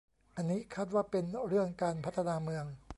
อันนี้คาดว่าเป็นเรื่องการพัฒนาเมือง